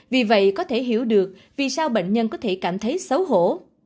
vì vậy có thể hiểu được vì sao bệnh nhân có thể cảm thấy xấu hổ